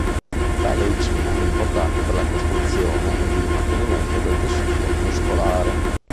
La leucina è importante per la costruzione ed il mantenimento del tessuto muscolare.